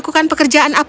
di mana dia menjelajah